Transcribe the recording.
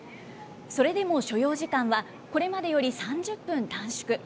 それでも所要時間はこれまでより３０分短縮。